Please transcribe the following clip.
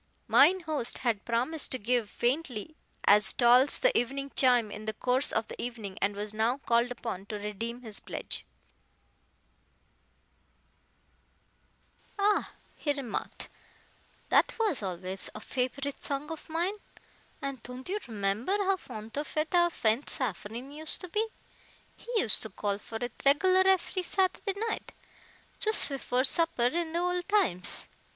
Mine host had promised to give Faintly as Tolls the Evening Chime in the course of the evening, and was now called upon to redeem his pledge. "Ah," he remarked, "that vas alvays a faforite song of mine. And ton't you remember how font of it our frient Safareen used to pe? He used to call for it regular efery Saturday night, schoost pefore supper in the old times.